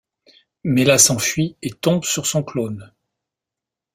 Mella s'enfuit et tombe sur son clone.